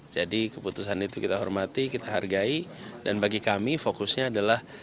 jadi keputusan itu kita hormati kita hargai dan bagi kami fokusnya adalah